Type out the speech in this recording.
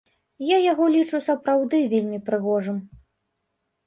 Я яго лічу сапраўды вельмі прыгожым.